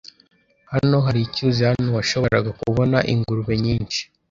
Hano hari icyuzi hano washoboraga kubona ingurube nyinshi.